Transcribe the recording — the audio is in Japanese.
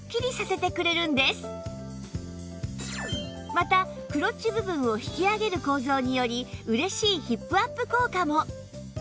またクロッチ部分を引き上げる構造により嬉しいヒップアップ効果も